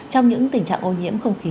trong những tình trạng ô nhiễm không khí